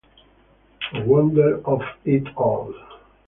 'The Wonder Of It All'.